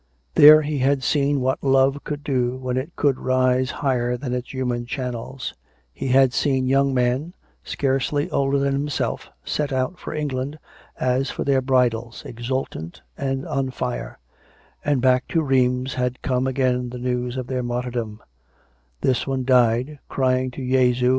There he had seen what Love could do when it could rise higher than its human channels; he had seen young men, scarcely older than himself, set out for England, as for their bridals, exultant and on fire; and back to Rheims had come again the news of their martyrdom: this one died, crying to Jesu COME RACK!